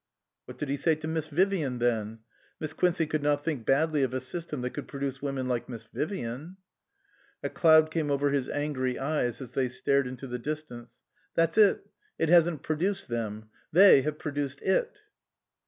What did he say to Miss Vivian then ? Miss Quincey could not think badly of a system that could produce women like Miss Vivian. A cloud came over his angry eyes as they stared into the distance. " That's it. It hasn't produced them. They have produced it."